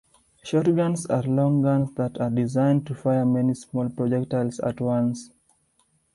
Shotguns are long guns that are designed to fire many small projectiles at once.